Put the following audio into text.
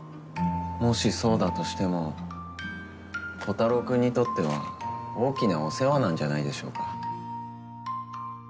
もしそうだとしてもコタローくんにとっては大きなお世話なんじゃないでしょうか。